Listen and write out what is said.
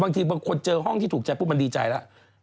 บางทีบางคนเจอห้องที่ถูกใจปุ๊บมันดีใจแล้ว